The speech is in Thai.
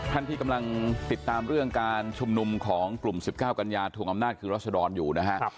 ท่านที่กำลังติดตามเรื่องการชุมนุมของกลุ่ม๑๙กัญญาถวงอำนาจคือรัศดรอยู่นะฮะ